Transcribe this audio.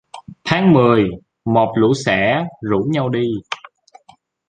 Tháng mười một lũ sẻ rủ nhau đi